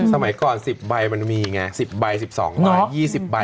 สมัยก่อน๑๐ใบมันมีไง๑๐ใบ๑๒ใบ๒๐ใบ